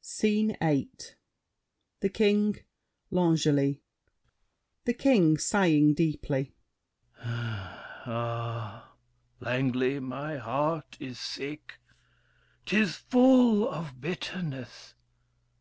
SCENE VIII The King, L'Angely THE KING (sighing deeply). Ah! L'Angely, my heart is sick. 'Tis full of bitterness.